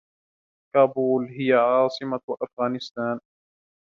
كابول هي عاصمة أفغانستان.